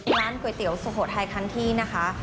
ร้านก๋วยเตี๋ยวสุโขทัยคันที่นะคะ